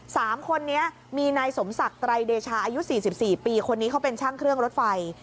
ตอนนี้มีนายสมศักดิ์ไตรเดชาอายุ๔๔ปีคนนี้เขาเป็นช่างเครื่องรถไฟ